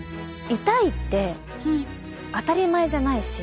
痛いって当たり前じゃないし。